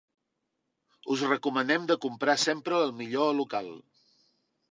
Us recomanem de comprar sempre el millor local.